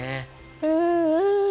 うんうん。